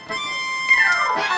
bukan begitu caranya